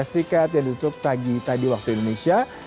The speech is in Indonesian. keserikat yang ditutup pagi tadi waktu indonesia